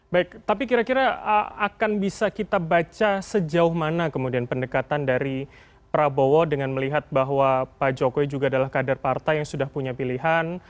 baik tapi kira kira akan bisa kita baca sejauh mana kemudian pendekatan dari prabowo dengan melihat bahwa pak jokowi juga adalah kader partai yang sudah punya pilihan